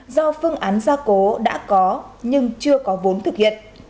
do phương án gia cố đã có nhưng chưa có vốn thực hiện